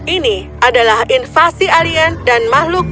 ini adalah invasi alien dan makhluk